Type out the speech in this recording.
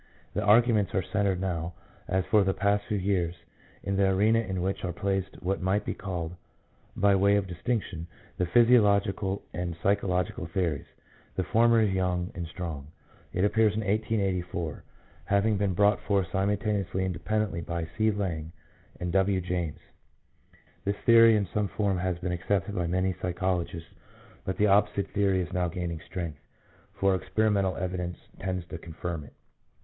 The arguments are centred now, as for the past few years, in the arena in which are placed what might be called by way of distinction the physiological and psycho logical theories. The former is young and strong. It appeared in 1884, having been brought forth simultaneously and independently by C. Lange and W. James. This theory in some form has been accepted by many psychologists, but the opposite theory is now gaining strength, for experimental evidence tends to confirm it.